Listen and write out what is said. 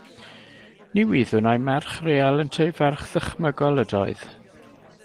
Ni wyddwn ai merch real ynteu ferch ddychmygol ydoedd.